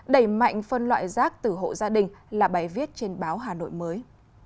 đẩy mạnh phân loại rác từ hộ gia đình là bài viết trên báo hà nội mới